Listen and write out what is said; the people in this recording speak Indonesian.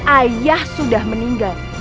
ayah sudah meninggal